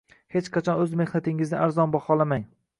Hech qachon oʻz mehnatingizni arzon baholamang.